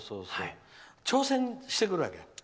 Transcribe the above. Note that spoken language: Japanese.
挑戦してくるわけ？